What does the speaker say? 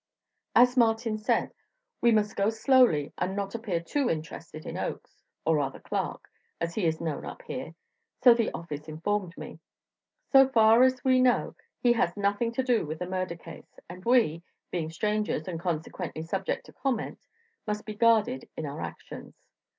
As Martin said: "We must go slowly and not appear too interested in Oakes, or rather Clark, as he is known up here so the office informed me. So far as we know he has nothing to do with the murder case, and we, being strangers and consequently subject to comment, must be guarded in our actions.